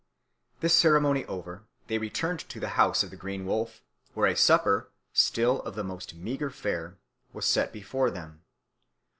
This ceremony over, they returned to the house of the Green Wolf, where a supper, still of the most meagre fare, was set before them.